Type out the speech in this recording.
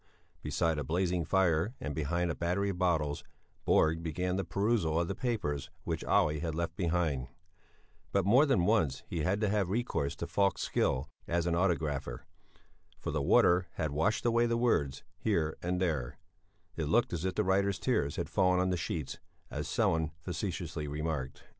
Beside a blazing fire and behind a battery of bottles, Borg began the perusal of the papers which Olle had left behind, but more than once he had to have recourse to Falk's skill as an "autographer," for the water had washed away the words here and there; it looked as if the writer's tears had fallen on the sheets, as Sellén facetiously remarked.